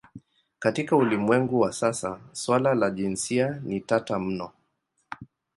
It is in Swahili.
Katika ulimwengu wa sasa suala la jinsia ni tata mno.